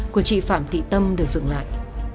của chị phạm thị tâm được dựng lại